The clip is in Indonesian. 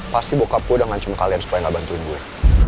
pasti bokap gue udah ngancom kalian supaya gak bantuin gue